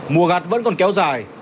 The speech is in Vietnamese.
mùa gạt vẫn còn kéo dài